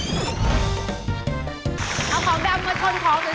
เอาของแดมมาชนของสวยอย่างงานตรงนี้ครับคุณแม่ตั๊ก